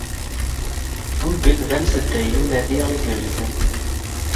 Google d amsedday n unadi igerrzen.